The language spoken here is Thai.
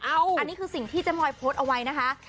อันนี้คือสิ่งที่เจ๊มอยโพสต์เอาไว้นะคะ